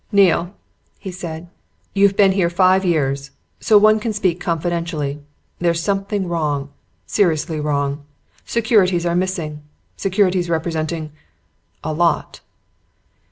"Neale!" he said. "You've been here five years, so one can speak confidentially. There's something wrong seriously wrong. Securities are missing. Securities representing a lot!"